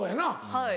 はい。